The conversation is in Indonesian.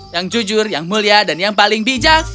yang jujur yang mulia dan yang paling bijak